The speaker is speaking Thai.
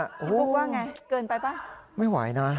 กราบกว่าอย่างไงเกินไปปะ